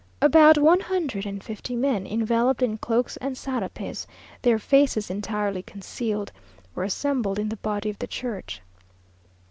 About one hundred and fifty men, enveloped in cloaks and sarapes, their faces entirely concealed, were assembled in the body of the church.